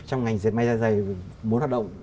trong ngành dân may ra dậy muốn hoạt động